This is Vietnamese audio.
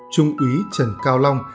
trung úy trần cao long